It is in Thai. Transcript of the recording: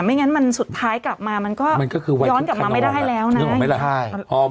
ไม่งั้นมันสุดท้ายกลับมามันก็ย้อนกลับมาไม่ได้แล้วนะ